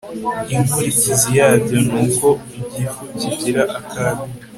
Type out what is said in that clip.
Inkurikizi yabyo ni uko igifu kigira akaga